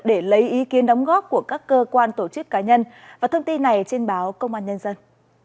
để lấy ý kiến đóng góp của các cơ quan tổ chức cá nhân và thông tin này trên báo công an nhân dân